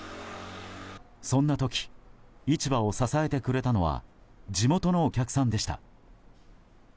そんな時市場を支えてくれたのは地元のお客さんでした。